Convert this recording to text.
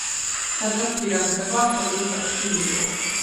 დაწყებითი განათლება მშობლიურ ქალაქში მიიღო.